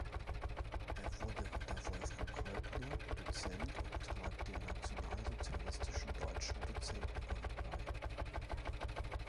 Er wurde unter Wolfgang Heubner Dozent und trat dem Nationalsozialistischen Deutschen Dozentenbund bei.